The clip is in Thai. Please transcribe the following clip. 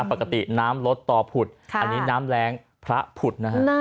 ปกติน้ำลดต่อผุดอันนี้น้ำแรงพระผุดนะฮะ